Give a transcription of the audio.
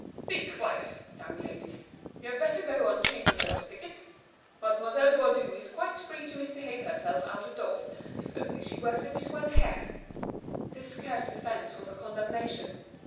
"Be quiet! young ladies. You had better go on changing those tickets. Mademoiselle Baudu is quite free to misbehave herself out of doors, if only she worked a bit when here." This curt defence was a condemnation.